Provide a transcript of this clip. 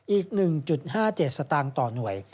อีก๑๕๗สตางค์ต่อหน่วย